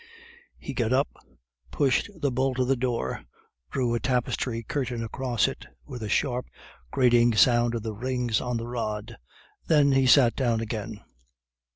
"He got up, pushed the bolt of the door, drew a tapestry curtain across it with a sharp grating sound of the rings on the rod, then he sat down again.